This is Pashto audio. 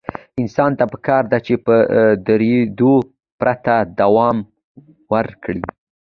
انسان ته پکار ده چې په درېدو پرته دوام ورکړي.